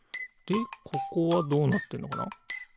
でここはどうなってるのかな？